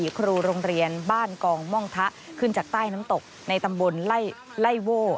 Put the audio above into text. ครูโรงเรียนบ้านกองม่องทะขึ้นจากใต้น้ำตกในตำบลไล่โว่